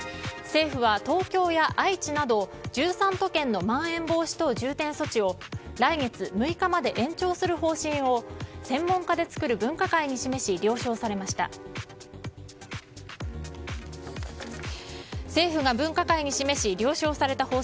政府は東京や愛知など１３都県のまん延防止等重点措置を来月６日まで延長する方針を専門家で作る分科会に示し了承されました。